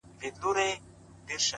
ښكلو ته كاته اكثر ـ